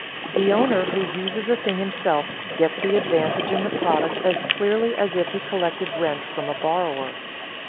The owner who uses a thing himself gets the advantage in the product as clearly as if he collected rent from a borrower.